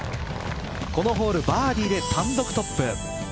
このホールバーディーで単独トップ。